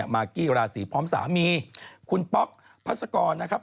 มากีกราศอยู่พร้อมสามีคุณป๊อคพระสครนะครับ